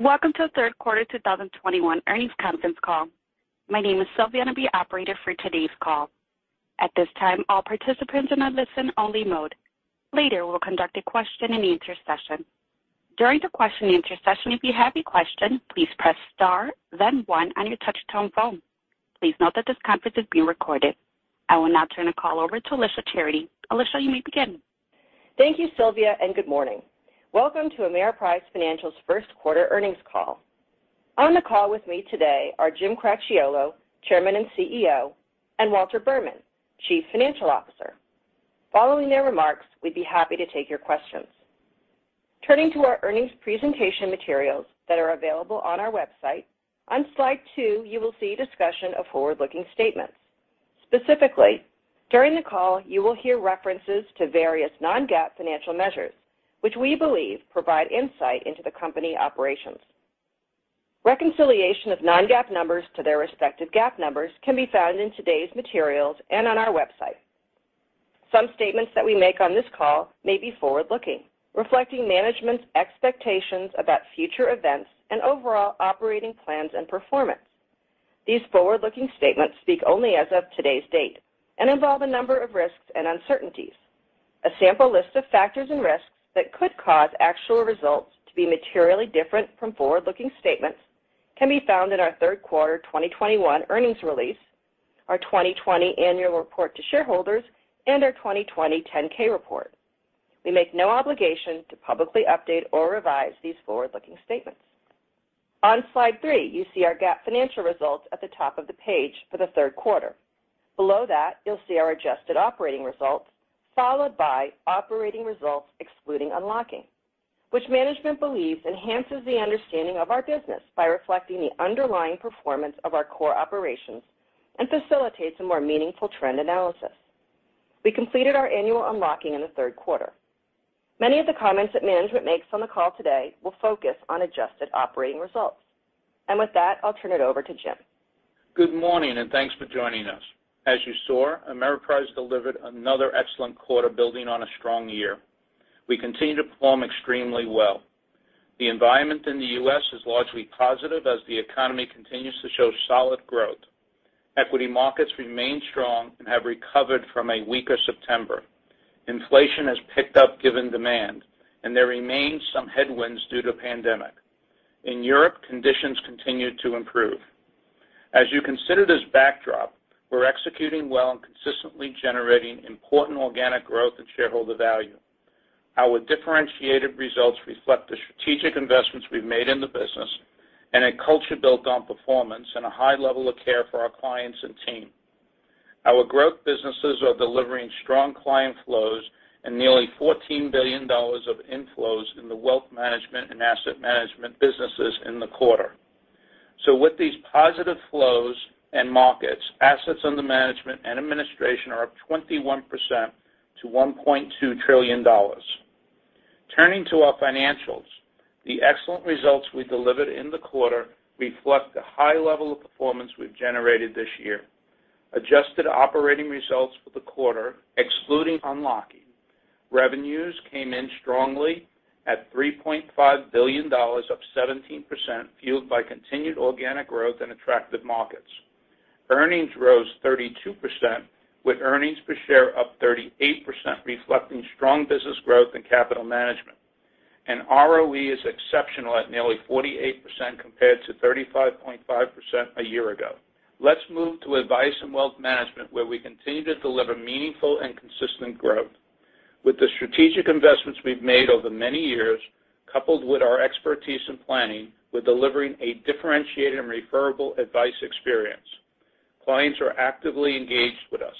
Welcome to the third quarter 2021 earnings conference call. My name is Sylvia, and I'll be your operator for today's call. At this time, all participants are in a listen-only mode. Later, we'll conduct a question-and-answer session. During the question-and-answer session, if you have a question, please press star one on your touch-tone phone. Please note that this conference is being recorded. I will now turn the call over to Alicia Charity. Alicia, you may begin. Thank you, Sylvia, and good morning. Welcome to Ameriprise Financial's first quarter earnings call. On the call with me today are Jim Cracchiolo, Chairman and CEO, and Walter Berman, Chief Financial Officer. Following their remarks, we'd be happy to take your questions. Turning to our earnings presentation materials that are available on our website. On slide two, you will see a discussion of forward-looking statements. Specifically, during the call, you will hear references to various non-GAAP financial measures, which we believe provide insight into the company operations. Reconciliation of non-GAAP numbers to their respective GAAP numbers can be found in today's materials and on our website. Some statements that we make on this call may be forward-looking, reflecting management's expectations about future events and overall operating plans and performance. These forward-looking statements speak only as of today's date and involve a number of risks and uncertainties. A sample list of factors and risks that could cause actual results to be materially different from forward-looking statements can be found in our third quarter 2021 earnings release, our 2020 Annual Report to Shareholders, and our 2020 10-K report. We make no obligation to publicly update or revise these forward-looking statements. On slide three, you see our GAAP financial results at the top of the page for the third quarter. Below that, you'll see our adjusted operating results, followed by operating results excluding unlocking, which management believes enhances the understanding of our business by reflecting the underlying performance of our core operations and facilitates a more meaningful trend analysis. We completed our annual unlocking in the third quarter. Many of the comments that management makes on the call today will focus on adjusted operating results. With that, I'll turn it over to Jim. Good morning, and thanks for joining us. As you saw, Ameriprise delivered another excellent quarter building on a strong year. We continue to perform extremely well. The environment in the U.S. is largely positive as the economy continues to show solid growth. Equity markets remain strong and have recovered from a weaker September. Inflation has picked up given demand, and there remains some headwinds due to pandemic. In Europe, conditions continue to improve. As you consider this backdrop, we're executing well and consistently generating important organic growth and shareholder value. Our differentiated results reflect the strategic investments we've made in the business and a culture built on performance and a high level of care for our clients and team. Our growth businesses are delivering strong client flows and nearly $14 billion of inflows in the wealth management and asset management businesses in the quarter. With these positive flows and markets, assets under management and administration are up 21% to $1.2 trillion. Turning to our financials, the excellent results we delivered in the quarter reflect the high level of performance we've generated this year. Adjusted operating results for the quarter, excluding unlocking, revenues came in strongly at $3.5 billion, up 17%, fueled by continued organic growth and attractive markets. Earnings rose 32%, with earnings per share up 38%, reflecting strong business growth and capital management. ROE is exceptional at nearly 48% compared to 35.5% a year ago. Let's move to advice and wealth management, where we continue to deliver meaningful and consistent growth. With the strategic investments we've made over many years, coupled with our expertise in planning, we're delivering a differentiated and referable advice experience. Clients are actively engaged with us.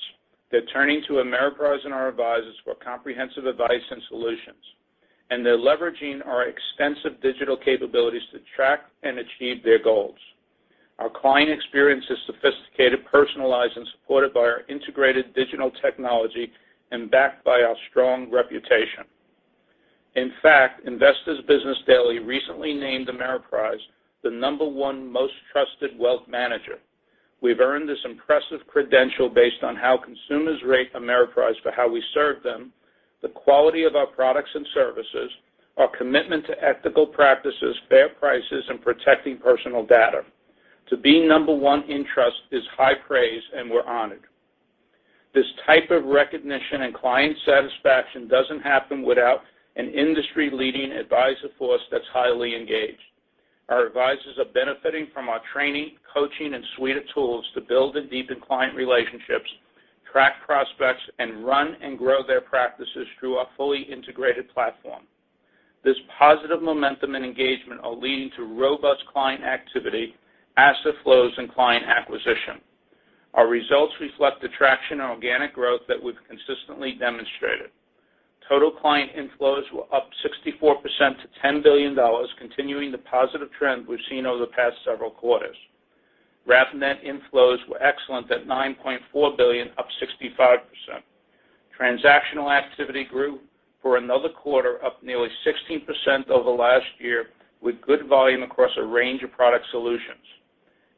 They're turning to Ameriprise and our advisors for comprehensive advice and solutions, and they're leveraging our extensive digital capabilities to track and achieve their goals. Our client experience is sophisticated, personalized, and supported by our integrated digital technology and backed by our strong reputation. In fact, Investor's Business Daily recently named Ameriprise the number one most trusted wealth manager. We've earned this impressive credential based on how consumers rate Ameriprise for how we serve them, the quality of our products and services, our commitment to ethical practices, fair prices, and protecting personal data. To be number one in trust is high praise, and we're honored. This type of recognition and client satisfaction doesn't happen without an industry-leading advisor force that's highly engaged. Our advisors are benefiting from our training, coaching, and suite of tools to build and deepen client relationships, track prospects, and run and grow their practices through our fully integrated platform. This positive momentum and engagement are leading to robust client activity, asset flows, and client acquisition. Our results reflect the traction and organic growth that we've consistently demonstrated. Total client inflows were up 64% to $10 billion, continuing the positive trend we've seen over the past several quarters. Wrap net inflows were excellent at $9.4 billion, up 65%. Transactional activity grew for another quarter, up nearly 16% over last year, with good volume across a range of product solutions.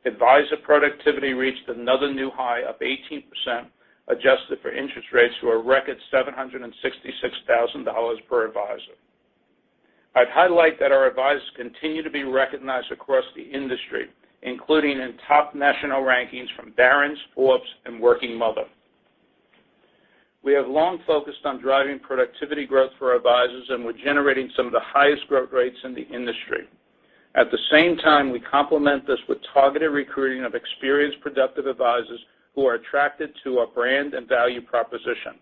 Advisor productivity reached another new high of 18%, adjusted for interest rates to a record $766,000 per advisor. I'd highlight that our advisors continue to be recognized across the industry, including in top national rankings from Barron's, Forbes, and Working Mother. We have long focused on driving productivity growth for our advisors, and we're generating some of the highest growth rates in the industry. At the same time, we complement this with targeted recruiting of experienced productive advisors who are attracted to our brand and value proposition.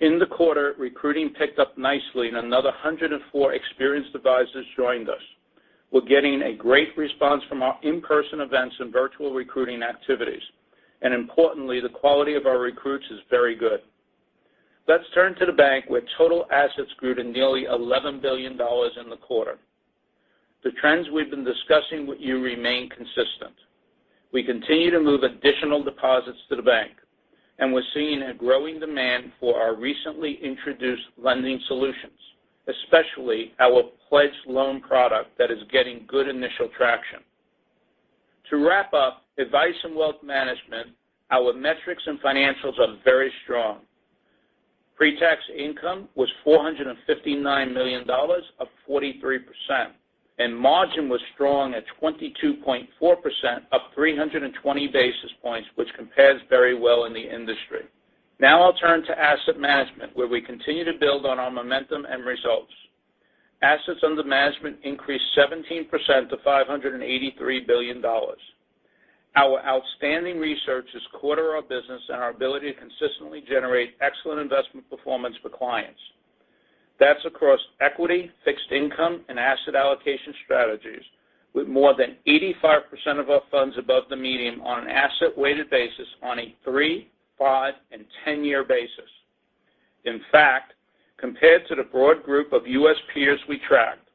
In the quarter, recruiting picked up nicely and another 104 experienced advisors joined us. We're getting a great response from our in-person events and virtual recruiting activities. Importantly, the quality of our recruits is very good. Let's turn to the bank where total assets grew to nearly $11 billion in the quarter. The trends we've been discussing with you remain consistent. We continue to move additional deposits to the bank, and we're seeing a growing demand for our recently introduced lending solutions, especially our pledge loan product that is getting good initial traction. To wrap up advice and wealth Management, our metrics and financials are very strong. Pre-tax income was $459 million, up 43%, and margin was strong at 22.4%, up 320 basis points, which compares very well in the industry. Now I'll turn to asset management, where we continue to build on our momentum and results. Assets under management increased 17% to $583 billion. Our outstanding research is core to our business and our ability to consistently generate excellent investment performance for clients. That's across equity, fixed income, and asset allocation strategies with more than 85% of our funds above the median on an asset-weighted basis on a three-, five-, and 10-year basis. In fact, compared to the broad group of U.S. peers we tracked,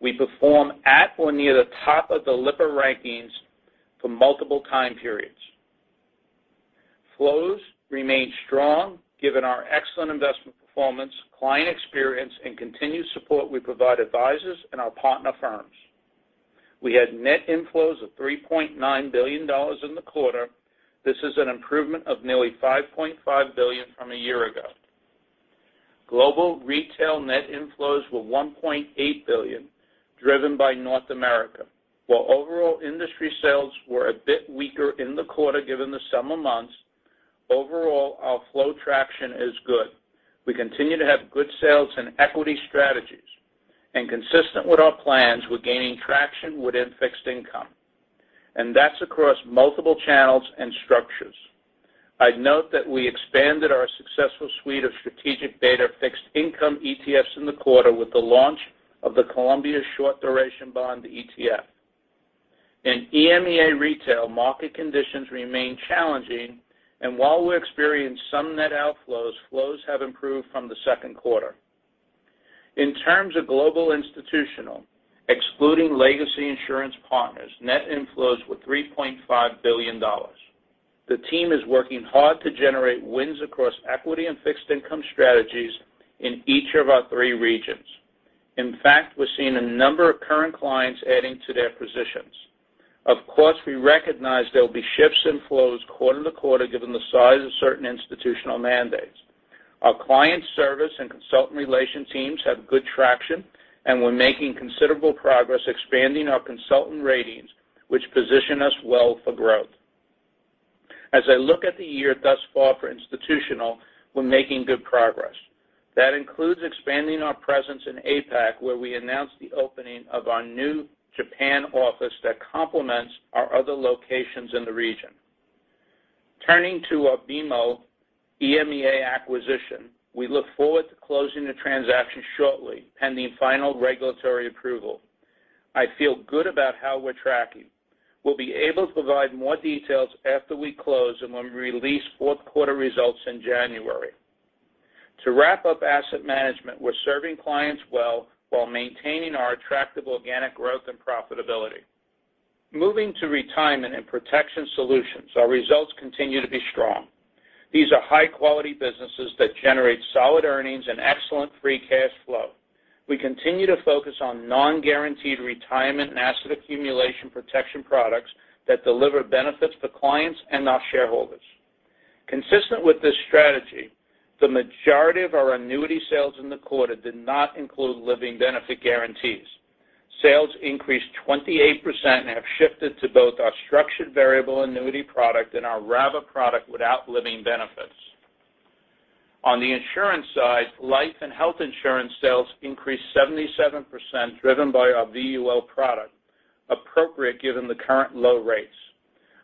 we perform at or near the top of the Lipper rankings for multiple time periods. Flows remain strong given our excellent investment performance, client experience, and continued support we provide advisors and our partner firms. We had net inflows of $3.9 billion in the quarter. This is an improvement of nearly $5.5 billion from a year ago. Global retail net inflows were $1.8 billion, driven by North America. While overall industry sales were a bit weaker in the quarter given the summer months, overall, our flow traction is good. We continue to have good sales in equity strategies. Consistent with our plans, we're gaining traction within fixed income, and that's across multiple channels and structures. I'd note that we expanded our successful suite of strategic beta fixed income ETFs in the quarter with the launch of the Columbia Short Duration Bond ETF. In EMEA Retail, market conditions remain challenging, and while we experienced some net outflows, flows have improved from the second quarter. In terms of global Institutional, excluding legacy insurance partners, net inflows were $3.5 billion. The team is working hard to generate wins across equity and fixed income strategies in each of our three regions. In fact, we're seeing a number of current clients adding to their positions. Of course, we recognize there will be shifts in flows quarter to quarter given the size of certain institutional mandates. Our client service and consultant relation teams have good traction, and we're making considerable progress expanding our consultant ratings, which position us well for growth. As I look at the year thus far for Institutional, we're making good progress. That includes expanding our presence in APAC, where we announced the opening of our new Japan office that complements our other locations in the region. Turning to our BMO EMEA acquisition, we look forward to closing the transaction shortly, pending final regulatory approval. I feel good about how we're tracking. We'll be able to provide more details after we close and when we release fourth quarter results in January. To wrap up asset management, we're serving clients well while maintaining our attractive organic growth and profitability. Moving to retirement and protection solutions, our results continue to be strong. These are high-quality businesses that generate solid earnings and excellent free cash flow. We continue to focus on non-guaranteed retirement and asset accumulation protection products that deliver benefits to clients and our shareholders. Consistent with this strategy, the majority of our annuity sales in the quarter did not include living benefit guarantees. Sales increased 28% and have shifted to both our structured variable annuity product and our RAVA product without living benefits. On the insurance side, life and health insurance sales increased 77%, driven by our VUL product, appropriate given the current low rates.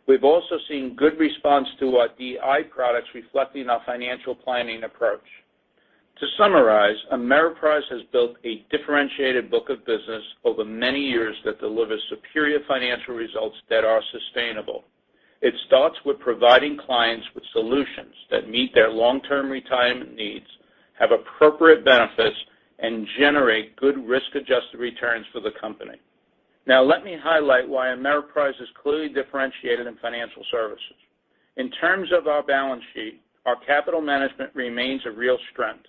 We've also seen good response to our DI products reflecting our financial planning approach. To summarize, Ameriprise has built a differentiated book of business over many years that delivers superior financial results that are sustainable. It starts with providing clients with solutions that meet their long-term retirement needs, have appropriate benefits, and generate good risk-adjusted returns for the company. Now, let me highlight why Ameriprise is clearly differentiated in financial services. In terms of our balance sheet, our capital management remains a real strength.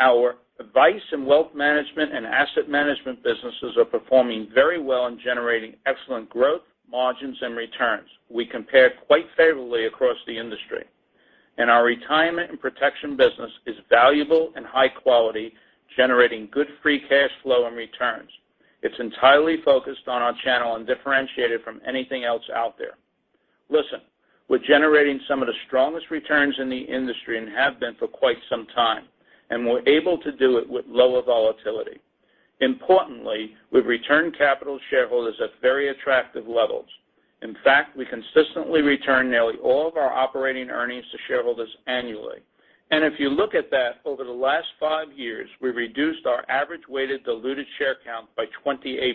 Our advice and wealth management and asset management businesses are performing very well and generating excellent growth, margins, and returns. We compare quite favorably across the industry. Our retirement and protection business is valuable and high quality, generating good free cash flow and returns. It's entirely focused on our channel and differentiated from anything else out there. Listen, we're generating some of the strongest returns in the industry and have been for quite some time, and we're able to do it with lower volatility. Importantly, we've returned capital to shareholders at very attractive levels. In fact, we consistently return nearly all of our operating earnings to shareholders annually. If you look at that over the last five years, we reduced our average weighted diluted share count by 28%.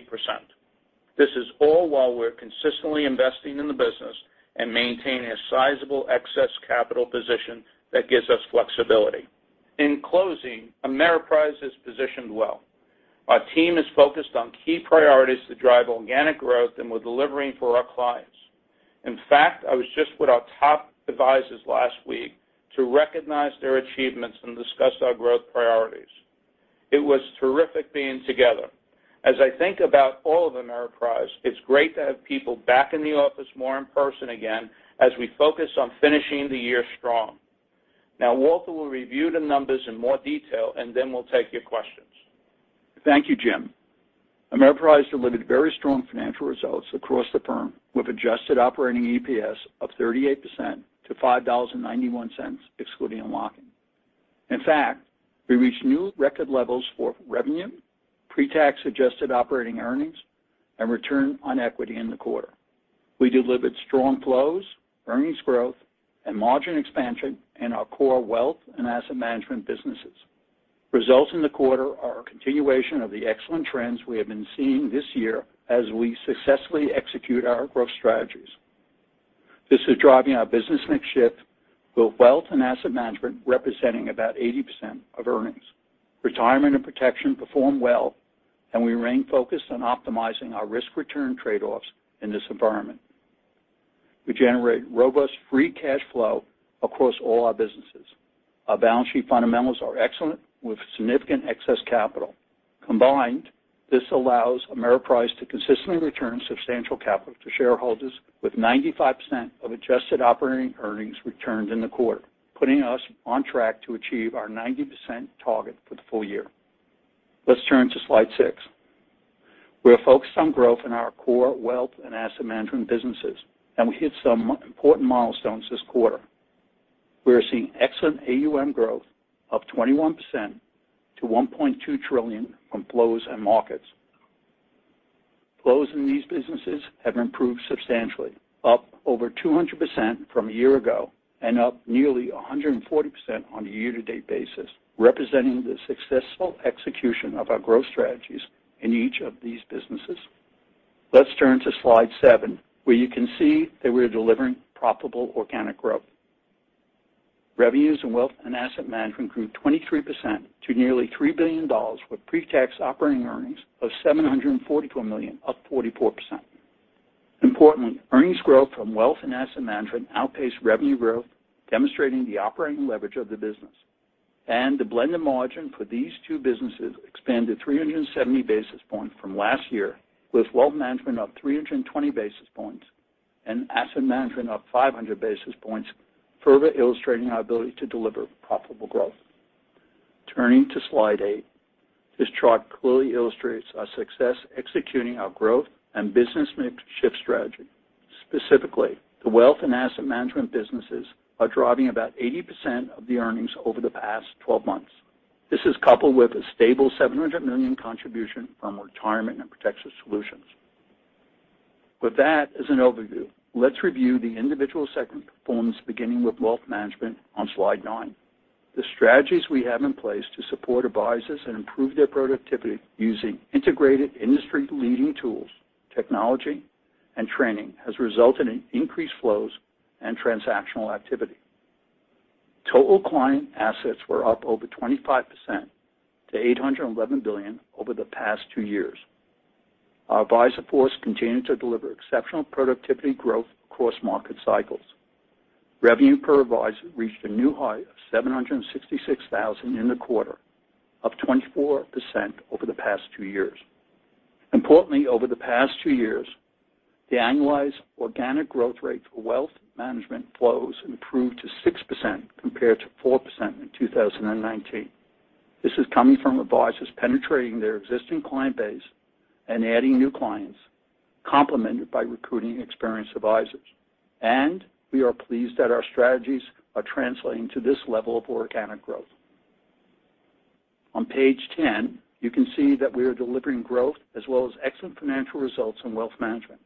This is all while we're consistently investing in the business and maintaining a sizable excess capital position that gives us flexibility. In closing, Ameriprise is positioned well. Our team is focused on key priorities to drive organic growth, and we're delivering for our clients. In fact, I was just with our top advisors last week to recognize their achievements and discuss our growth priorities. It was terrific being together. As I think about all of Ameriprise, it's great to have people back in the office more in person again as we focus on finishing the year strong. Now Walter will review the numbers in more detail, and then we'll take your questions. Thank you, Jim. Ameriprise delivered very strong financial results across the firm, with adjusted operating EPS of 38% to $5.91, excluding unlocking. In fact, we reached new record levels for revenue, pretax adjusted operating earnings, and return on equity in the quarter. We delivered strong flows, earnings growth, and margin expansion in our core wealth and asset management businesses. Results in the quarter are a continuation of the excellent trends we have been seeing this year as we successfully execute our growth strategies. This is driving our business mix shift, with wealth and asset management representing about 80% of earnings. Retirement and protection perform well, and we remain focused on optimizing our risk-return trade-offs in this environment. We generate robust free cash flow across all our businesses. Our balance sheet fundamentals are excellent, with significant excess capital. Combined, this allows Ameriprise to consistently return substantial capital to shareholders with 95% of adjusted operating earnings returned in the quarter, putting us on track to achieve our 90% target for the full year. Let's turn to slide six. We are focused on growth in our core wealth and asset management businesses, and we hit some important milestones this quarter. We are seeing excellent AUM growth of 21% to $1.2 trillion from flows and markets. Flows in these businesses have improved substantially, up over 200% from a year ago and up nearly 140% on a year-to-date basis, representing the successful execution of our growth strategies in each of these businesses. Let's turn to slide seven, where you can see that we are delivering profitable organic growth. Revenues in wealth and asset management grew 23% to nearly $3 billion, with pretax operating earnings of $744 million, up 44%. Importantly, earnings growth from wealth and asset management outpaced revenue growth, demonstrating the operating leverage of the business. The blended margin for these two businesses expanded 370 basis points from last year, with wealth management up 320 basis points and asset management up 500 basis points, further illustrating our ability to deliver profitable growth. Turning to slide eight, this chart clearly illustrates our success executing our growth and business mix shift strategy. Specifically, the wealth and asset management businesses are driving about 80% of the earnings over the past 12 months. This is coupled with a stable $700 million contribution from retirement and protection solutions. With that as an overview, let's review the individual segment performance, beginning with wealth management on slide nine. The strategies we have in place to support advisors and improve their productivity using integrated industry-leading tools, technology, and training has resulted in increased flows and transactional activity. Total client assets were up over 25% to $811 billion over the past two years. Our advisor force continued to deliver exceptional productivity growth across market cycles. Revenue per advisor reached a new high of $766,000 in the quarter, up 24% over the past two years. Importantly, over the past two years, the annualized organic growth rate for Wealth Management flows improved to 6% compared to 4% in 2019. This is coming from advisors penetrating their existing client base and adding new clients, complemented by recruiting experienced advisors. We are pleased that our strategies are translating to this level of organic growth. On page 10, you can see that we are delivering growth as well as excellent financial results in wealth management.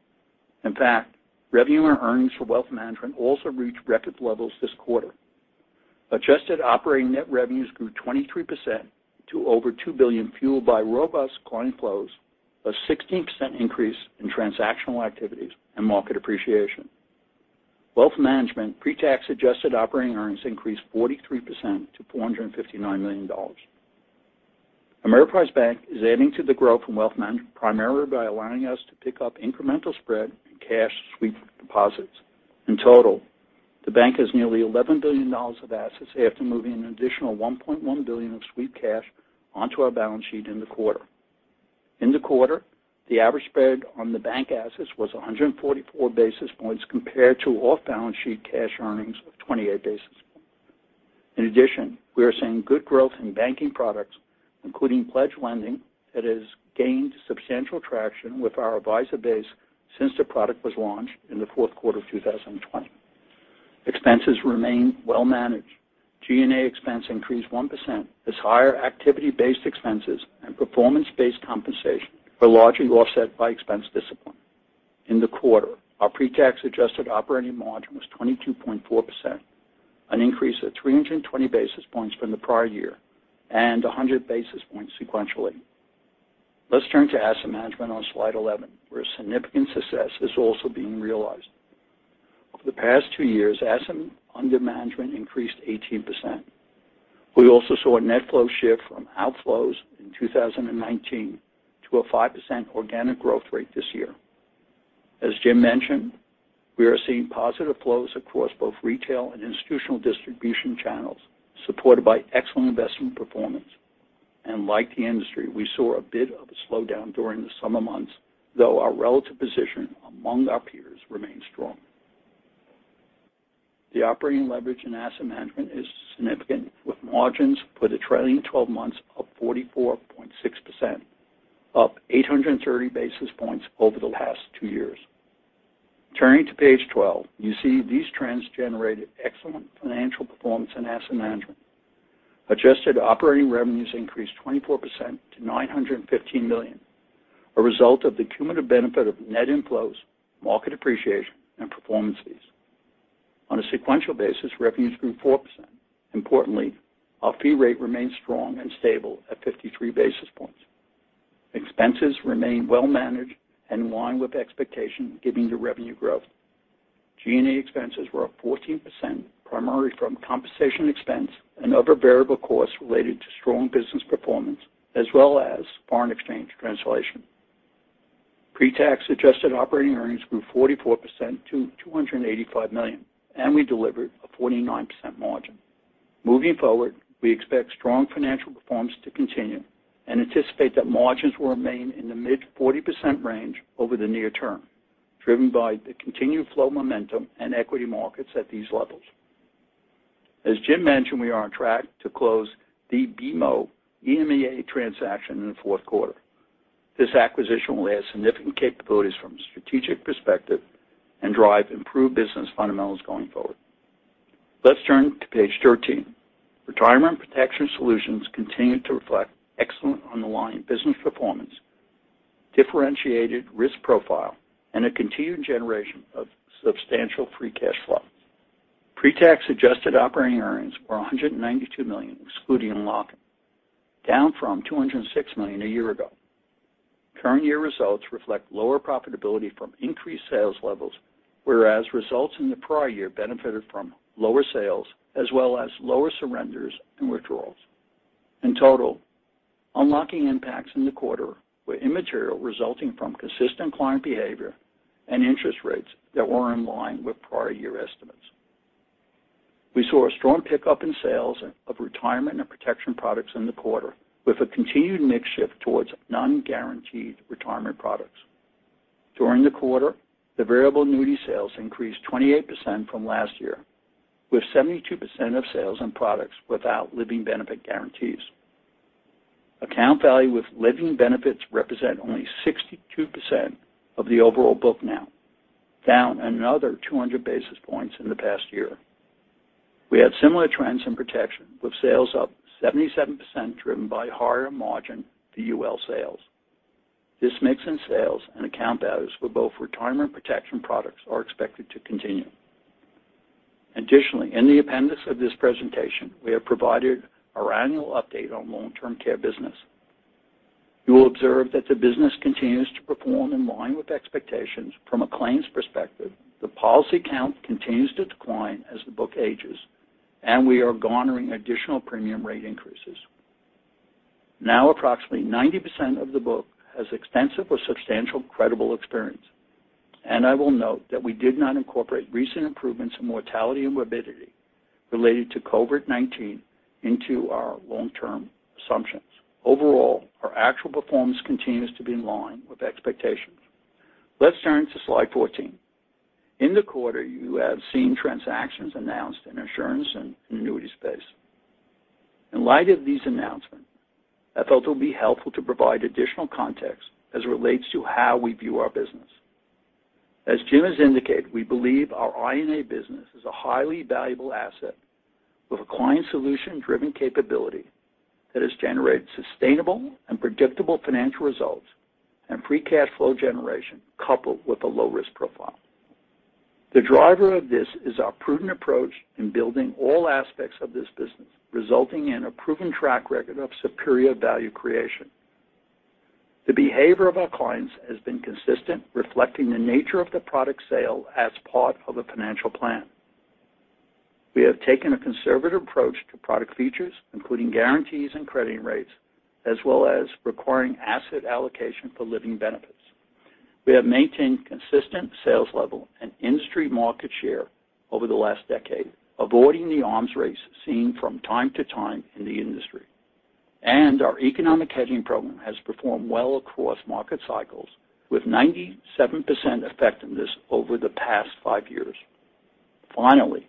In fact, revenue and earnings for wealth management also reached record levels this quarter. Adjusted operating net revenues grew 23% to over $2 billion, fueled by robust client flows, a 16% increase in transactional activities, and market appreciation. Wealth management pretax adjusted operating earnings increased 43% to $459 million. Ameriprise Bank is adding to the growth from wealth management primarily by allowing us to pick up incremental spread in cash sweep deposits. In total, the bank has nearly $11 billion of assets after moving an additional $1.1 billion of sweep cash onto our balance sheet in the quarter. In the quarter, the average spread on the bank assets was 144 basis points compared to off-balance sheet cash earnings of 28 basis points. In addition, we are seeing good growth in banking products, including pledge lending that has gained substantial traction with our advisor base since the product was launched in the fourth quarter of 2020. Expenses remain well managed. G&A expense increased 1% as higher activity-based expenses and performance-based compensation were largely offset by expense discipline. In the quarter, our pre-tax adjusted operating margin was 22.4%, an increase of 320 basis points from the prior year and 100 basis points sequentially. Let's turn to asset management on slide 11, where significant success is also being realized. Over the past two years, assets under management increased 18%. We also saw a net flow shift from outflows in 2019 to a 5% organic growth rate this year. As Jim mentioned, we are seeing positive flows across both retail and institutional distribution channels, supported by excellent investment performance. Like the industry, we saw a bit of a slowdown during the summer months, though our relative position among our peers remained strong. The operating leverage in asset management is significant, with margins for the trailing twelve months of 44.6%, up 830 basis points over the last two years. Turning to page 12, you see these trends generated excellent financial performance in asset management. Adjusted operating revenues increased 24% to $915 million, a result of the cumulative benefit of net inflows, market appreciation, and performance fees. On a sequential basis, revenues grew 4%. Importantly, our fee rate remains strong and stable at 53 basis points. Expenses remain well managed and in line with expectations given the revenue growth. G&A expenses were up 14%, primarily from compensation expense and other variable costs related to strong business performance as well as foreign exchange translation. Pre-tax adjusted operating earnings grew 44% to $285 million, and we delivered a 49% margin. Moving forward, we expect strong financial performance to continue and anticipate that margins will remain in the mid-40% range over the near term, driven by the continued flow momentum and equity markets at these levels. As Jim mentioned, we are on track to close the BMO EMEA transaction in the fourth quarter. This acquisition will add significant capabilities from a strategic perspective and drive improved business fundamentals going forward. Let's turn to page thirteen. Retirement extra solutions continued to reflect excellent in-line business performance, differentiated risk profile, and a continued generation of substantial free cash flow. Pre-tax adjusted operating earnings were $192 million, excluding unlocking, down from $206 million a year ago. Current year results reflect lower profitability from increased sales levels, whereas results in the prior year benefited from lower sales as well as lower surrenders and withdrawals. In total, unlocking impacts in the quarter were immaterial, resulting from consistent client behavior and interest rates that were in line with prior year estimates. We saw a strong pickup in sales of retirement and protection products in the quarter with a continued mix shift towards non-guaranteed retirement products. During the quarter, the variable annuity sales increased 28% from last year, with 72% of sales in products without living benefit guarantees. Account value with living benefits represent only 62% of the overall book now, down another 200 basis points in the past year. We had similar trends in protection, with sales up 77% driven by higher margin VUL sales. This mix in sales and account values for both retirement protection products are expected to continue. Additionally, in the appendix of this presentation, we have provided our annual update on long-term care business. You will observe that the business continues to perform in line with expectations from a claims perspective. The policy count continues to decline as the book ages, and we are garnering additional premium rate increases. Now approximately 90% of the book has extensive or substantial credible experience. I will note that we did not incorporate recent improvements in mortality and morbidity related to COVID-19 into our long-term assumptions. Overall, our actual performance continues to be in line with expectations. Let's turn to slide 14. In the quarter, you have seen transactions announced in insurance and annuities space. In light of these announcements, I thought it would be helpful to provide additional context as it relates to how we view our business. As Jim has indicated, we believe our INA business is a highly valuable asset with a client solution-driven capability that has generated sustainable and predictable financial results and free cash flow generation coupled with a low risk profile. The driver of this is our prudent approach in building all aspects of this business, resulting in a proven track record of superior value creation. The behavior of our clients has been consistent, reflecting the nature of the product sale as part of a financial plan. We have taken a conservative approach to product features, including guarantees and crediting rates, as well as requiring asset allocation for living benefits. We have maintained consistent sales level and industry market share over the last decade, avoiding the arms race seen from time to time in the industry. Our economic hedging program has performed well across market cycles with 97% effectiveness over the past five years. Finally,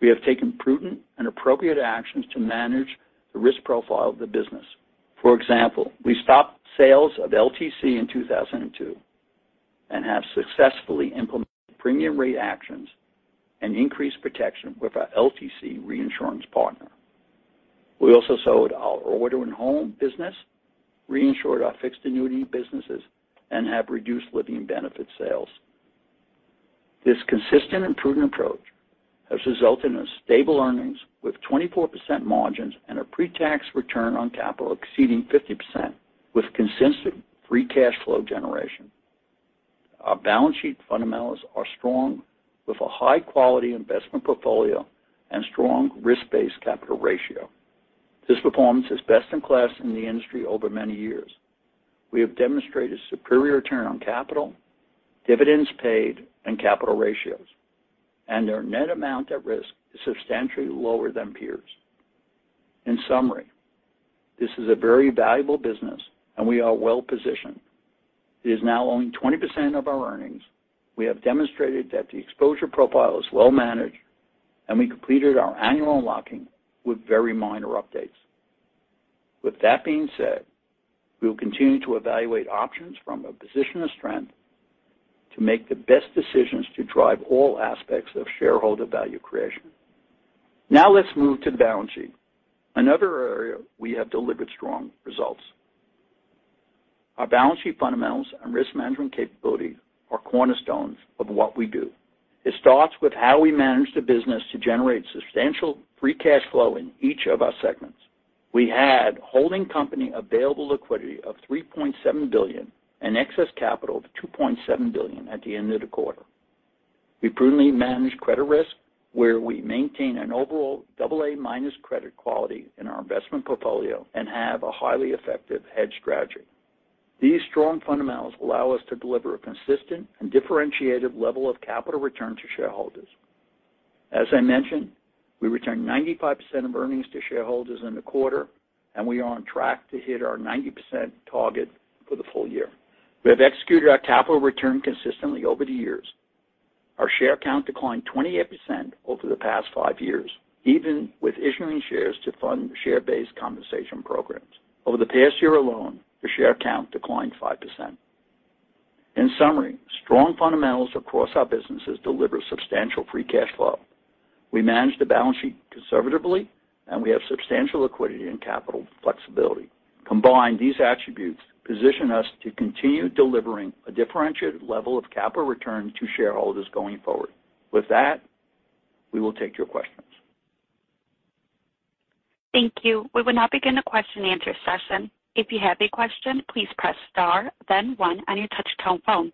we have taken prudent and appropriate actions to manage the risk profile of the business. For example, we stopped sales of LTC in 2002 and have successfully implemented premium rate actions and increased protection with our LTC reinsurance partner. We also sold our order in home business, reinsured our fixed annuity businesses, and have reduced living benefit sales. This consistent and prudent approach has resulted in stable earnings with 24% margins and a pre-tax return on capital exceeding 50% with consistent free cash flow generation. Our balance sheet fundamentals are strong with a high-quality investment portfolio and strong risk-based capital ratio. This performance is best-in-class in the industry over many years. We have demonstrated superior return on capital, dividends paid, and capital ratios, and our net amount at risk is substantially lower than peers. In summary, this is a very valuable business, and we are well positioned. It is now only 20% of our earnings. We have demonstrated that the exposure profile is well managed, and we completed our annual unlocking with very minor updates. With that being said, we will continue to evaluate options from a position of strength to make the best decisions to drive all aspects of shareholder value creation. Now let's move to the balance sheet, another area we have delivered strong results. Our balance sheet fundamentals and risk management capabilities are cornerstones of what we do. It starts with how we manage the business to generate substantial free cash flow in each of our segments. We had holding company available liquidity of $3.7 billion and excess capital of $2.7 billion at the end of the quarter. We prudently manage credit risk, where we maintain an overall AA- credit quality in our investment portfolio and have a highly effective hedge strategy. These strong fundamentals allow us to deliver a consistent and differentiated level of capital return to shareholders. As I mentioned, we returned 95% of earnings to shareholders in the quarter, and we are on track to hit our 90% target for the full year. We have executed our capital return consistently over the years. Our share count declined 28% over the past five years, even with issuing shares to fund share-based compensation programs. Over the past year alone, the share count declined 5%. In summary, strong fundamentals across our businesses deliver substantial free cash flow. We manage the balance sheet conservatively, and we have substantial liquidity and capital flexibility. Combined, these attributes position us to continue delivering a differentiated level of capital return to shareholders going forward. With that, we will take your questions. Thank you. We will now begin the question-and-answer session. If you have a question, please press star then one on your touch tone phone.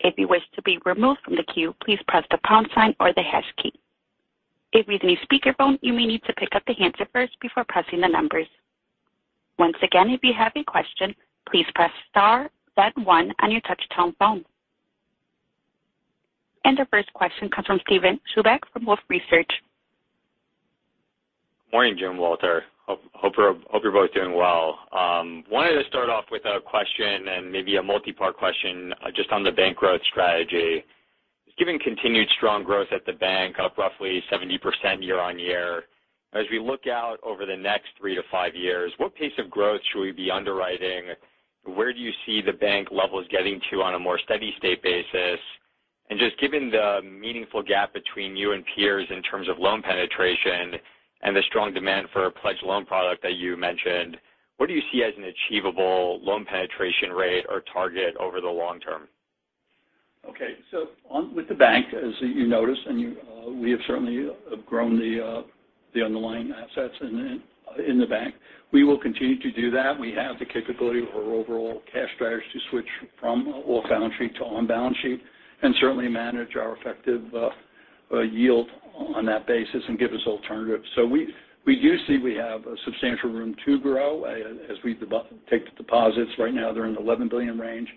If you wish to be removed from the queue, please press the pound sign or the hash key. If you're using a speakerphone, you may need to pick up the handset first before pressing the numbers. Once again, if you have a question, please press star then one on your touch tone phone. Our first question comes from Steven Chubak from Wolfe Research. Good morning, Jim and Walter. Hope you're both doing well. Wanted to start off with a question and maybe a multipart question just on the bank growth strategy. Given continued strong growth at the bank, up roughly 70% year-over-year, as we look out over the next three-five years, what pace of growth should we be underwriting? Where do you see the bank levels getting to on a more steady state basis? And just given the meaningful gap between you and peers in terms of loan penetration and the strong demand for a pledge loan product that you mentioned, what do you see as an achievable loan penetration rate or target over the long-term? Okay. With the bank, as you noticed, and you, we have certainly grown the underlying assets in the bank. We will continue to do that. We have the capability with our overall cash drivers to switch from off-balance sheet to on-balance sheet, and certainly manage our effective yield on that basis and give us alternatives. We do see we have a substantial room to grow as we take the deposits, right now they're in the $11 billion range,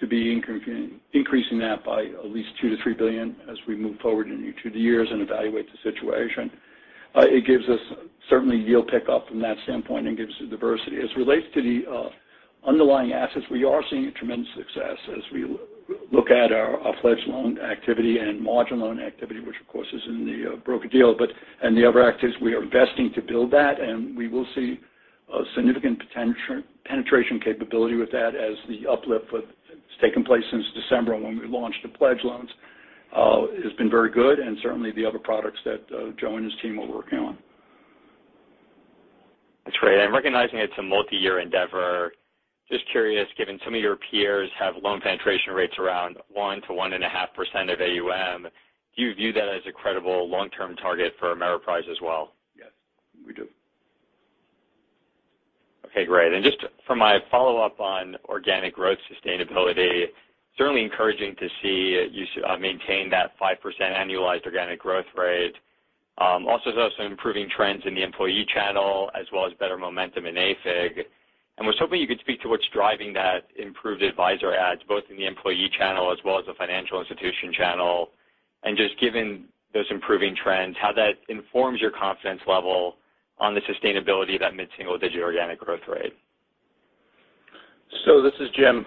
to be increasing that by at least $2 billion-$3 billion as we move forward into the years and evaluate the situation. It gives us certainly yield pickup from that standpoint and gives us diversity. As it relates to the underlying assets, we are seeing a tremendous success as we look at our pledge loan activity and margin loan activity, which of course is in the brokered deal, and the other activities, we are investing to build that, and we will see a significant penetration capability with that as the uplift that's taken place since December when we launched the pledge loans has been very good and certainly the other products that Joe and his team are working on. That's great, recognizing it's a multiyear endeavor, just curious, given some of your peers have loan penetration rates around 1%-1.5% of AUM, do you view that as a credible long-term target for Ameriprise as well? We do. Okay, great. Just for my follow-up on organic growth sustainability, certainly encouraging to see you maintain that 5% annualized organic growth rate. Also saw some improving trends in the employee channel as well as better momentum in AFIG. Was hoping you could speak to what's driving that improved advisor adds both in the employee channel as well as the financial institution channel. Just given those improving trends, how that informs your confidence level on the sustainability of that mid-single-digit organic growth rate. This is Jim.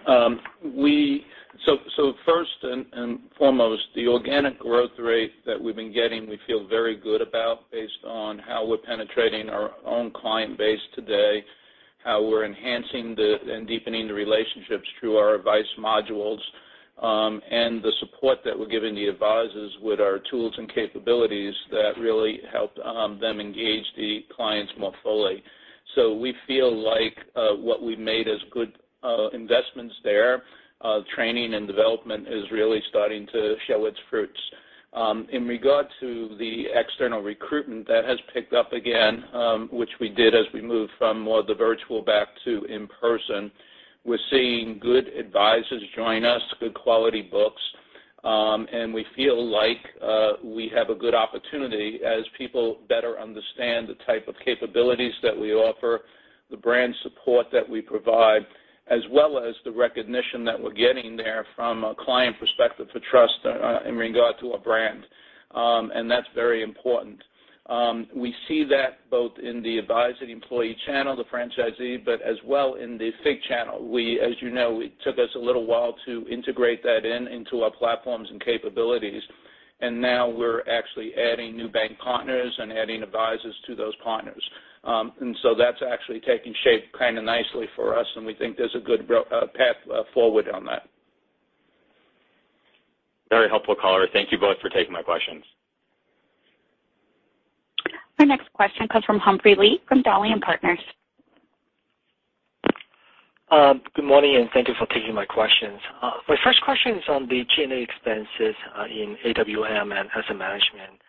First and foremost, the organic growth rate that we've been getting, we feel very good about based on how we're penetrating our own client base today, how we're enhancing and deepening the relationships through our advice modules, and the support that we're giving the advisors with our tools and capabilities that really help them engage the clients more fully. We feel like what we've made as good investments there, training and development is really starting to show its fruits. In regard to the external recruitment, that has picked up again, which we did as we moved from more of the virtual back to in-person. We're seeing good advisors join us, good quality books. We feel like we have a good opportunity as people better understand the type of capabilities that we offer, the brand support that we provide, as well as the recognition that we're getting there from a client perspective for trust in regard to our brand. That's very important. We see that both in the advising employee channel, the franchisee, but as well in the FIG channel. We, as you know, it took us a little while to integrate that into our platforms and capabilities. Now we're actually adding new bank partners and adding advisors to those partners. That's actually taking shape kind of nicely for us, and we think there's a good path forward on that. Very helpful colors. Thank you both for taking my questions. Our next question comes from Humphrey Lee from Dowling & Partners. Good morning, and thank you for taking my questions. My first question is on the G&A expenses in AWM and asset management.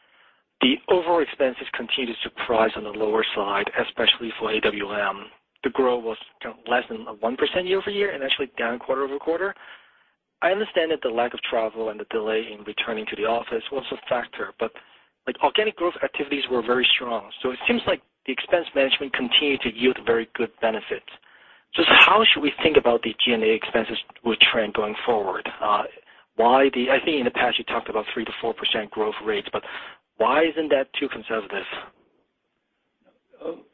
The overall expenses continue to surprise on the lower side, especially for AWM. The growth was kind of less than 1% year-over-year and actually down quarter-over-quarter. I understand that the lack of travel and the delay in returning to the office was a factor, but, like, organic growth activities were very strong. It seems like the expense management continued to yield very good benefits. Just how should we think about the G&A expenses will trend going forward? I think in the past, you talked about 3%-4% growth rates, but why isn't that too conservative?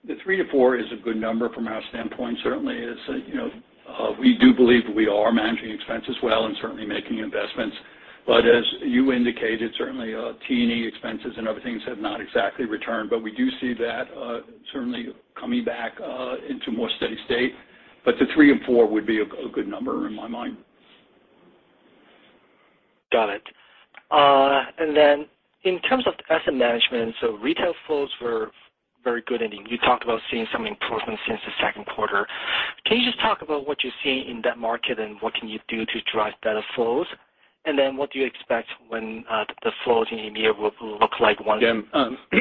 The 3%-4% is a good number from our standpoint. Certainly, it's, you know, we do believe we are managing expenses well and certainly making investments. As you indicated, certainly, T&E expenses and other things have not exactly returned, but we do see that, certainly coming back, into more steady state. The 3% and 4% would be a good number in my mind. Got it. In terms of asset management, retail flows were very good, and you talked about seeing some improvement since the second quarter. Can you just talk about what you're seeing in that market and what can you do to drive better flows? What do you expect when the flows in EMEA will look like one? This is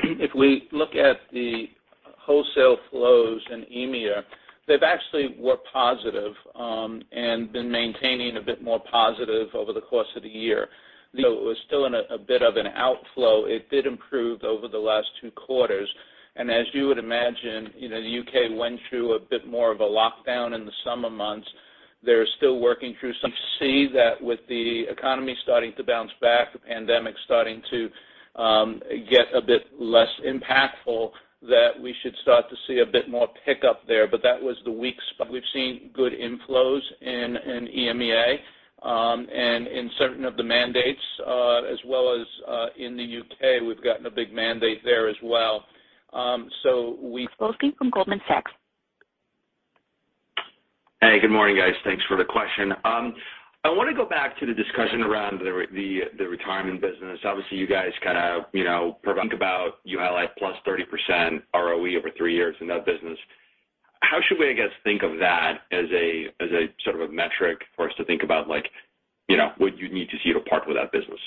Jim, if we look at the wholesale flows in EMEA, they've actually been positive and been maintaining a bit more positive over the course of the year. Though it was still in a bit of an outflow, it did improve over the last two quarters. As you would imagine, you know, the U.K. went through a bit more of a lockdown in the summer months. They're still working through some. We see that with the economy starting to bounce back, the pandemic starting to get a bit less impactful, that we should start to see a bit more pickup there. But that was the weak spot. We've seen good inflows in EMEA and in certain of the mandates as well as in the U.K., we've gotten a big mandate there as well. So we. Blostein from Goldman Sachs. Hey, good morning, guys. Thanks for the question. I want to go back to the discussion around the retirement business. Obviously, you guys kind of think about ULI +30% ROE over three years in that business. How should we think of that as a sort of a metric for us to think about, like, you know, what would you need to see to partner with that business?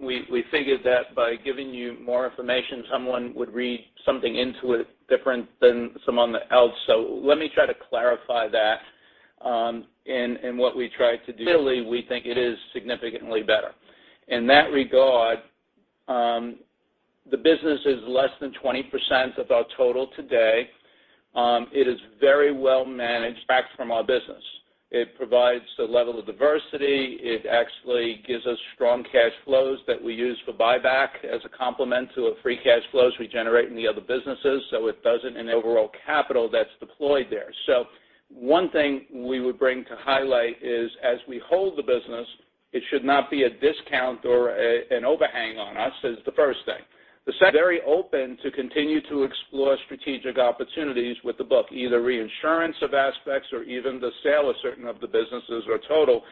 We figured that by giving you more information, someone would read something into it different than someone else. Let me try to clarify that, in what we try to do. Really, we think it is significantly better. In that regard, the business is less than 20% of our total today. It is very well managed, backed by our business. It provides a level of diversity. It actually gives us strong cash flows that we use for buyback as a complement to the free cash flows we generate in the other businesses. So it doesn't drain overall capital that's deployed there. One thing we would bring to highlight is as we hold the business, it should not be a discount or an overhang on us, is the first thing. The second, very open to continue to explore strategic opportunities with the book, either reinsurance of aspects or even the sale of certain of the businesses or total.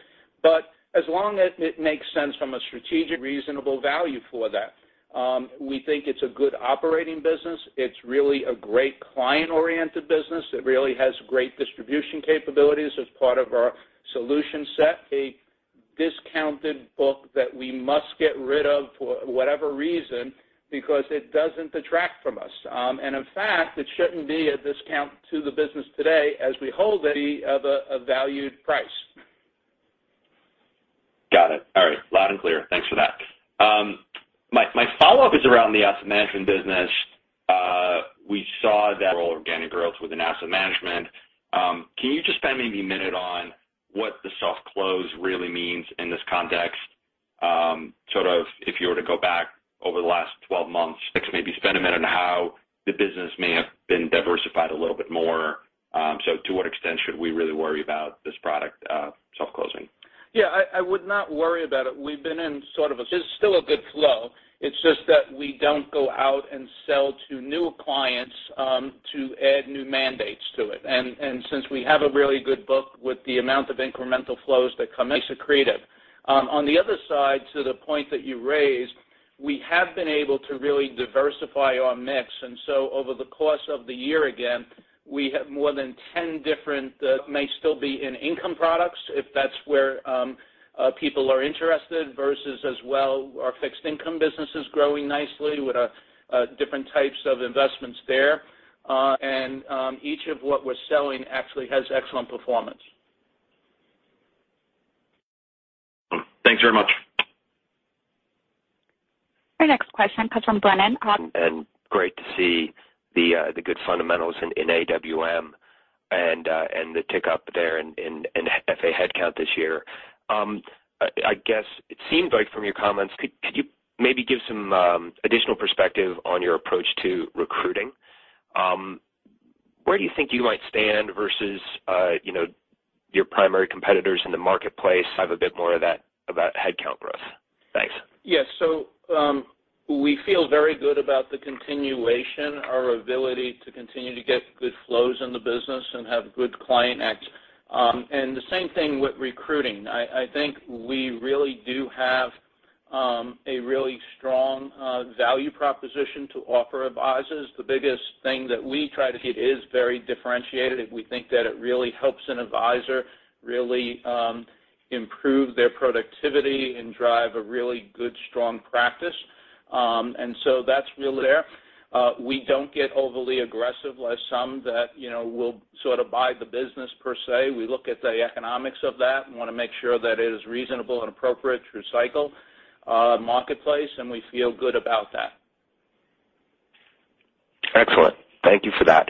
As long as it makes sense from a strategic reasonable value for that, we think it's a good operating business. It's really a great client-oriented business. It really has great distribution capabilities as part of our solution set. A discounted book that we must get rid of for whatever reason, because it doesn't detract from us. In fact, it shouldn't be a discount to the business today as we hold it of a valued price. Got it. All right. Loud and clear. Thanks for that. My follow-up is around the asset management business. We saw that organic growth within asset management. Can you just spend maybe a minute on what the soft close really means in this context? Sort of if you were to go back over the last 12 months, maybe spend a minute on how the business may have been diversified a little bit more. To what extent should we really worry about this product soft closing? Yeah, I would not worry about it. We've been in sort of a. There's still a good flow. It's just that we don't go out and sell to new clients to add new mandates to it. Since we have a really good book with the amount of incremental flows that come in sequentially. On the other side, to the point that you raised, we have been able to really diversify our mix. Over the course of the year again, we have more than 10 different may still be income products, if that's where people are interested versus as well our fixed income business is growing nicely with different types of investments there. Each of what we're selling actually has excellent performance. Thanks very much. Our next question comes from Brennan. Great to see the good fundamentals in AWM and the tick up there in FA headcount this year. I guess it seemed like from your comments, could you maybe give some additional perspective on your approach to recruiting? Where do you think you might stand versus, you know, your primary competitors in the marketplace have a bit more of that headcount growth? Thanks. Yes. We feel very good about the continuation, our ability to continue to get good flows in the business and have good client act. The same thing with recruiting. I think we really do have a really strong value proposition to offer advisors. The biggest thing that we try to hit is very differentiated. We think that it really helps an advisor really improve their productivity and drive a really good, strong practice. That's really there. We don't get overly aggressive like some that, you know, will sort of buy the business per se. We look at the economics of that and wanna make sure that it is reasonable and appropriate through-cycle marketplace, and we feel good about that. Excellent. Thank you for that.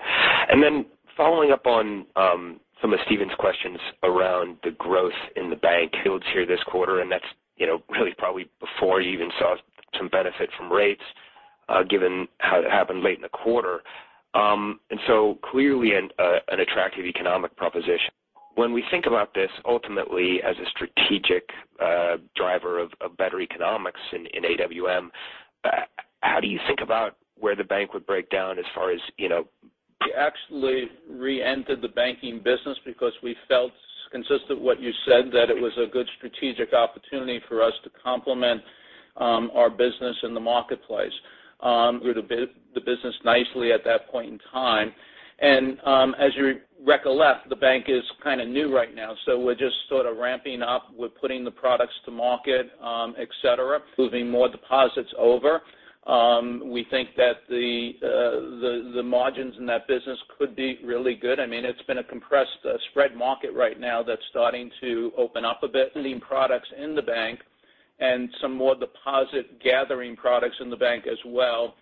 Following up on some of Steven's questions around the growth in the bank yields here this quarter, and that's, you know, really probably before you even saw some benefit from rates, given how it happened late in the quarter. Clearly an attractive economic proposition. When we think about this ultimately as a strategic driver of better economics in AWM, how do you think about where the bank would break down as far as, you know. We actually reentered the banking business because we felt consistent with what you said, that it was a good strategic opportunity for us to complement our business in the marketplace. We grew the business nicely at that point in time. As you recollect, the bank is kinda new right now, so we're just sort of ramping up. We're putting the products to market, et cetera, moving more deposits over. We think that the margins in that business could be really good. I mean, it's been a compressed spread market right now that's starting to open up a bit. With leading products in the bank and some more deposit gathering products in the bank as well,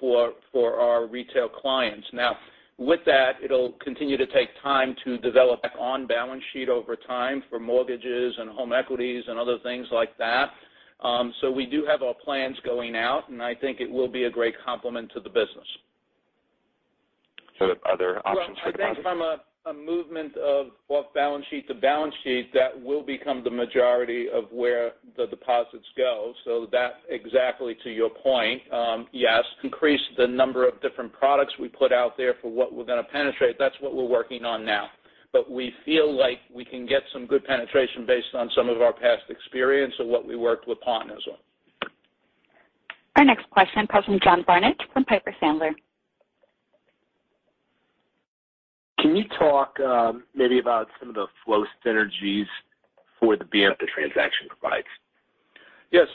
for our retail clients. Now, with that, it'll continue to take time to develop on balance sheet over time for mortgages and home equities and other things like that. We do have our plans going out, and I think it will be a great complement to the business. Are there options for deposits? Well, I think from a movement of off balance sheet to balance sheet, that will become the majority of where the deposits go. That exactly to your point, yes. Increase the number of different products we put out there for what we're gonna penetrate. That's what we're working on now. We feel like we can get some good penetration based on some of our past experience and what we worked with Pond as well. Our next question comes from John Barnidge from Piper Sandler. Can you talk, maybe, about some of the flow synergies for the BMO transaction provides? Yes.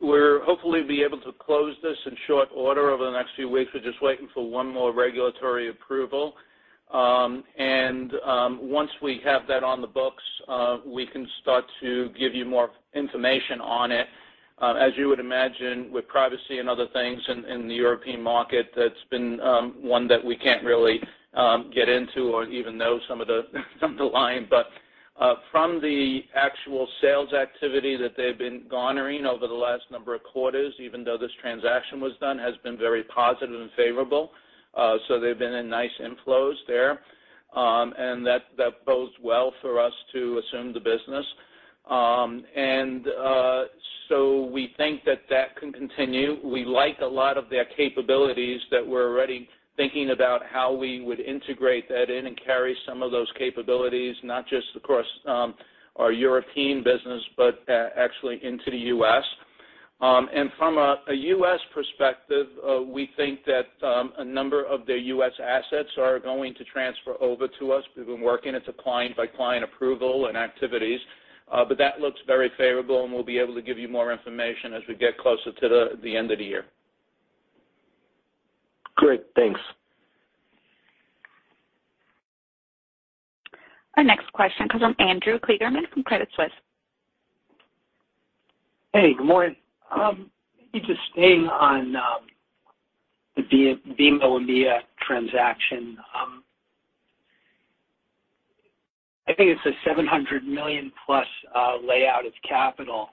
We're hopefully be able to close this in short order over the next few weeks. We're just waiting for one more regulatory approval. Once we have that on the books, we can start to give you more information on it. As you would imagine, with privacy and other things in the European market, that's been one that we can't really get into or even know some of the line. From the actual sales activity that they've been garnering over the last number of quarters, even though this transaction was done, has been very positive and favorable. They've been in nice inflows there. That bodes well for us to assume the business. We think that can continue. We like a lot of their capabilities that we're already thinking about how we would integrate that in and carry some of those capabilities, not just across our European business, but actually into the U.S. From a U.S. perspective, we think that a number of the U.S. assets are going to transfer over to us. We've been working. It's a client-by-client approval and activities, but that looks very favorable, and we'll be able to give you more information as we get closer to the end of the year. Great. Thanks. Our next question comes from Andrew Kligerman from Credit Suisse. Hey, good morning. Just staying on the BMO EMEA transaction. I think it's a $700+ million lay out of capital.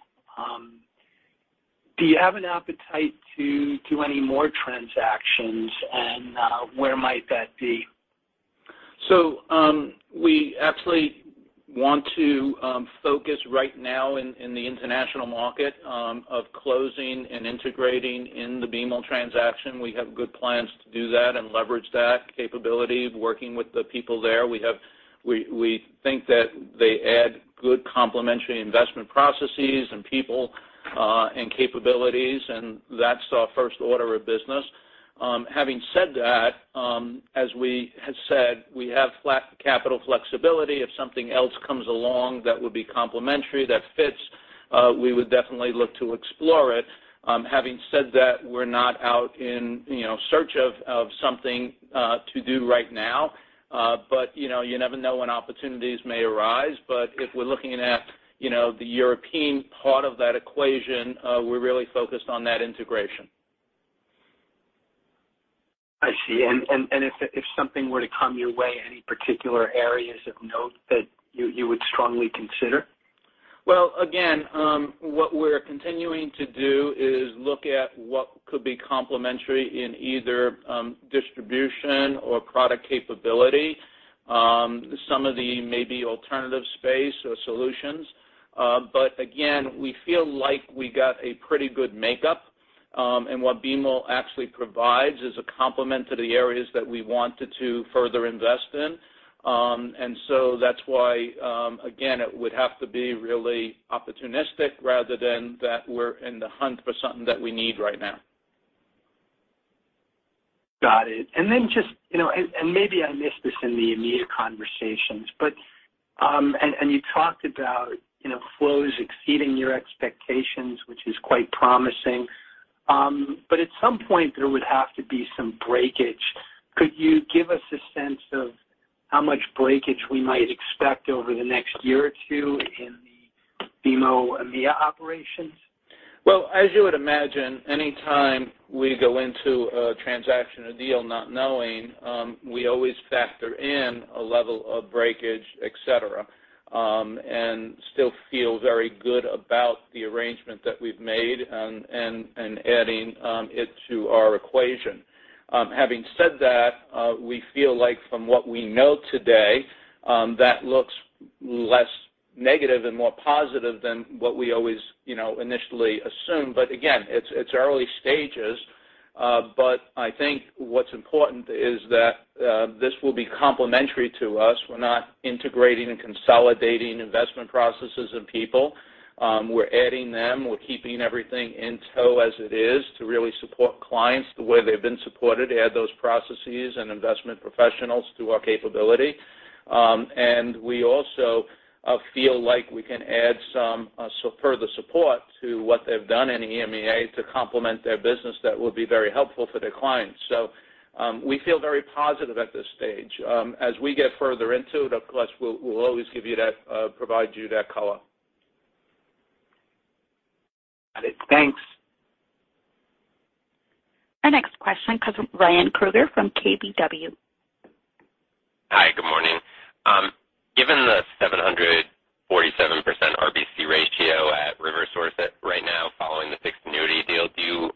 Do you have an appetite to do any more transactions, and where might that be? We absolutely want to focus right now in the international market of closing and integrating in the BMO transaction. We have good plans to do that and leverage that capability of working with the people there. We think that they add good complementary investment processes and people and capabilities, and that's our first order of business. Having said that, as we had said, we have ample capital flexibility. If something else comes along that would be complementary, that fits, we would definitely look to explore it. Having said that, we're not out in, you know, search of something to do right now. You know, you never know when opportunities may arise. If we're looking at, you know, the European part of that equation, we're really focused on that integration. I see. If something were to come your way, any particular areas of note that you would strongly consider? Well, again, what we're continuing to do is look at what could be complementary in either, distribution or product capability, some of the maybe alternative space or solutions. Again, we feel like we got a pretty good makeup, and what BMO actually provides is a complement to the areas that we wanted to further invest in. That's why, again, it would have to be really opportunistic rather than that we're in the hunt for something that we need right now. Got it. Just, you know, maybe I missed this in the EMEA conversations, but you talked about, you know, flows exceeding your expectations, which is quite promising. At some point, there would have to be some breakage. Could you give us a sense of how much breakage we might expect over the next year or two in the BMO EMEA operations? Well, as you would imagine, any time we go into a transaction or deal not knowing, we always factor in a level of breakage, et cetera, and still feel very good about the arrangement that we've made and adding it to our equation. Having said that, we feel like from what we know today, that looks less negative and more positive than what we always, you know, initially assume. Again, it's early stages. I think what's important is that, this will be complementary to us. We're not integrating and consolidating investment processes and people. We're adding them. We're keeping everything in tow as it is to really support clients the way they've been supported, add those processes and investment professionals to our capability. We also feel like we can add some further support to what they've done in EMEA to complement their business that will be very helpful for their clients. We feel very positive at this stage. As we get further into it, of course, we'll always provide you that color. Got it. Thanks. Our next question comes from Ryan Krueger from KBW. Hi, good morning. Given the 747% RBC ratio at RiverSource right now following the fixed annuity deal, do you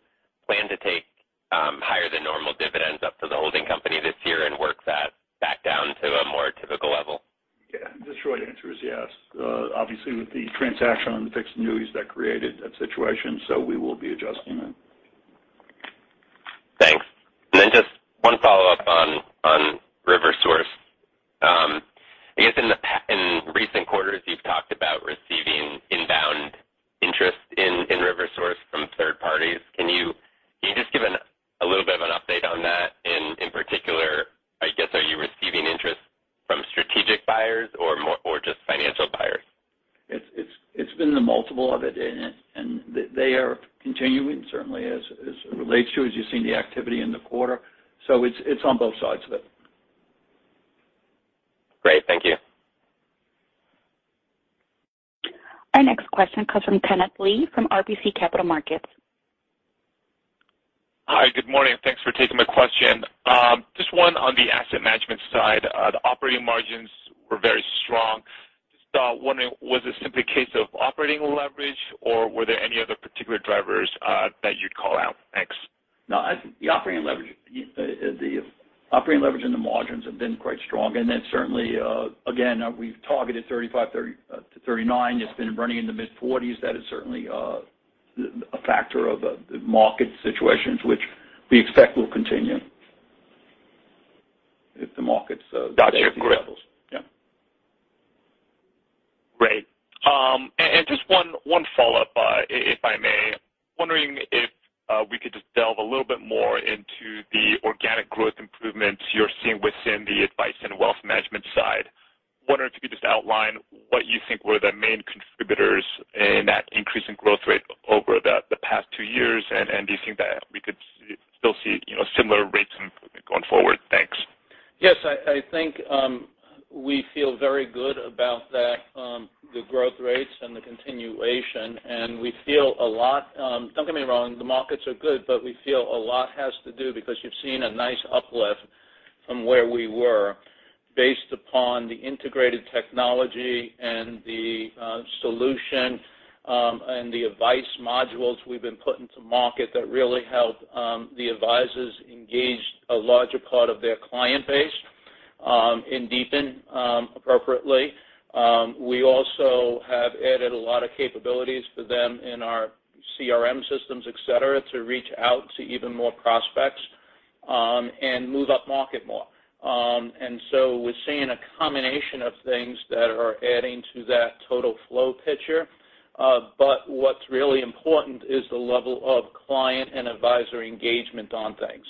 plan to take higher than normal dividends up to the holding company this year and work that back down to a more typical level? Yeah. The short answer is yes. Obviously, with the transaction on the fixed annuities, that created that situation, so we will be adjusting it. Thanks. Just one follow-up on RiverSource. I guess in recent quarters, you've talked about receiving inbound interest in RiverSource from third parties. Can you just give a little bit of an update on that? In particular, I guess, are you receiving interest from strategic buyers or just financial buyers? It's been the multiple of it. They are continuing certainly as it relates to, as you've seen the activity in the quarter. It's on both sides of it. Great. Thank you. Our next question comes from Kenneth Lee from RBC Capital Markets. Hi, good morning. Thanks for taking my question. Just one on the asset management side. The operating margins were very strong. Just wondering, was it simply a case of operating leverage, or were there any other particular drivers that you'd call out? Thanks. No, I think the operating leverage and the margins have been quite strong. Certainly, again, we've targeted 30%-39%. It's been running in the mid-40%s. That is certainly a factor of the market situations which we expect will continue if the markets stay at these levels. Great. Just one follow-up, if I may. Wondering if we could just delve a little bit more into the organic growth improvements you're seeing within the advice and wealth management side. Wondering if you could just outline what you think were the main contributors in that increase in growth rate over the past two years. Do you think that we could still see, you know, similar rates improvement going forward? Thanks. Yes, I think we feel very good about that, the growth rates and the continuation. We feel a lot, don't get me wrong, the markets are good, but we feel a lot has to do because you've seen a nice uplift from where we were based upon the integrated technology and the solution, and the advice modules we've been putting to market that really help the advisors engage a larger part of their client base, and deepen appropriately. We also have added a lot of capabilities for them in our CRM systems, et cetera, to reach out to even more prospects, and move upmarket more. We're seeing a combination of things that are adding to that total flow picture. What's really important is the level of client and advisor engagement on things.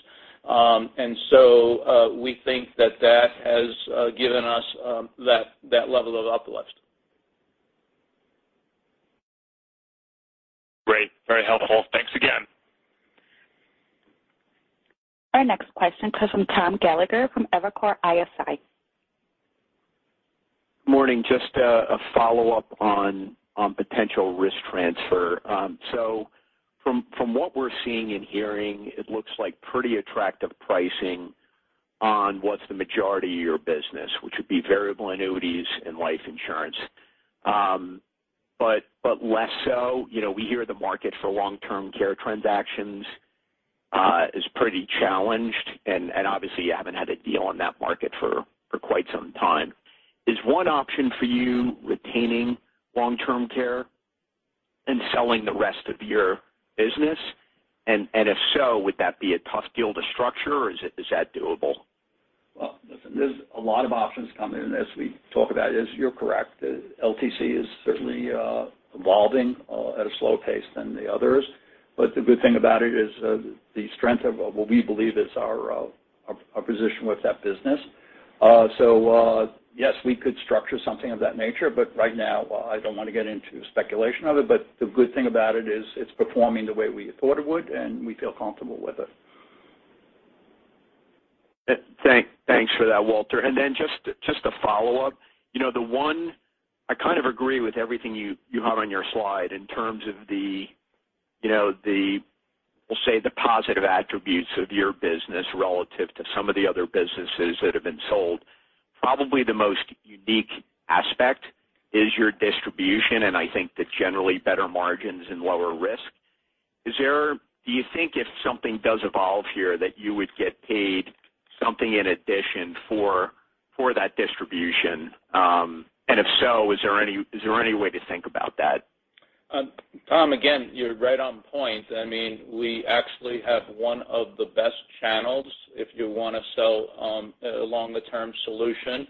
We think that has given us that level of uplift. Great. Very helpful. Thanks again. Our next question comes from Tom Gallagher from Evercore ISI. Morning. Just a follow-up on potential risk transfer. From what we're seeing and hearing, it looks like pretty attractive pricing on what's the majority of your business, which would be variable annuities and life insurance. Less so, you know, we hear the market for long-term care transactions is pretty challenged. Obviously you haven't had a deal on that market for quite some time. Is one option for you retaining long-term care and selling the rest of your business? If so, would that be a tough deal to structure or is that doable? Well, listen, there's a lot of options coming in as we talk about this, you're correct. LTC is certainly evolving at a slower pace than the others. The good thing about it is the strength of what we believe is our position with that business. Yes, we could structure something of that nature, but right now, I don't want to get into speculation of it. The good thing about it is it's performing the way we thought it would, and we feel comfortable with it. Thanks for that, Walter. Just a follow-up. I kind of agree with everything you have on your slide in terms of the, we'll say, the positive attributes of your business relative to some of the other businesses that have been sold. Probably the most unique aspect is your distribution, and I think the generally better margins and lower risk. Do you think if something does evolve here that you would get paid something in addition for that distribution? If so, is there any way to think about that? Tom, again, you're right on point. I mean, we actually have one of the best channels if you want to sell a longer-term solution.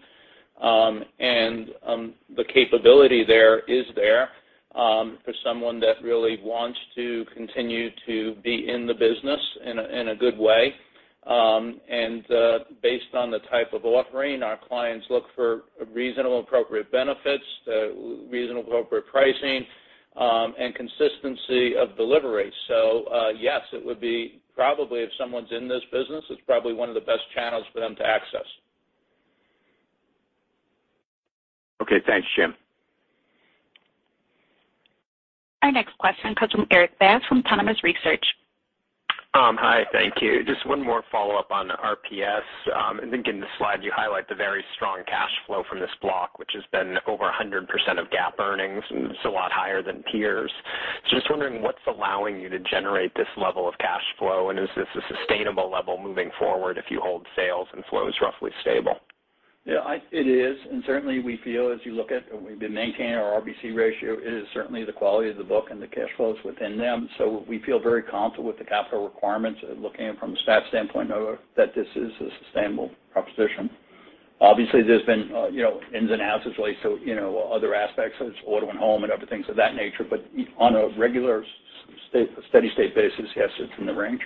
The capability there is for someone that really wants to continue to be in the business in a good way. Based on the type of offering, our clients look for reasonable appropriate benefits, reasonable appropriate pricing, and consistency of delivery. Yes, it would be probably if someone's in this business, it's probably one of the best channels for them to access. Okay. Thanks, Jim. Our next question comes from Erik Bass from Autonomous Research. Hi. Thank you. Just one more follow-up on RPS. I think in the slide you highlight the very strong cash flow from this block, which has been over 100% of GAAP earnings, and it's a lot higher than peers. Just wondering what's allowing you to generate this level of cash flow, and is this a sustainable level moving forward if you hold sales and flows roughly stable? Yeah, it is. Certainly we feel as you look at we've been maintaining our RBC ratio, it is certainly the quality of the book and the cash flows within them. We feel very comfortable with the capital requirements looking from a stat standpoint of that this is a sustainable proposition. Obviously, there's been you know ins and outs as of late too you know other aspects such as auto and home and other things of that nature. On a regular steady state basis, yes, it's in the range.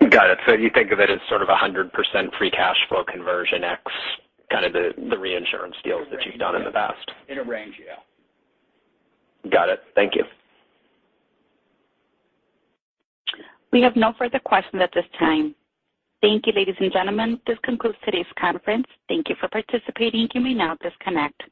Got it. You think of it as sort of a 100% free cash flow conversion X, kind of the reinsurance deals that you've done in the past. In a range, yeah. Got it. Thank you. We have no further questions at this time. Thank you, ladies and gentlemen. This concludes today's conference. Thank you for participating. You may now disconnect.